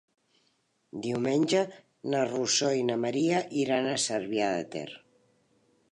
Diumenge na Rosó i na Maria iran a Cervià de Ter.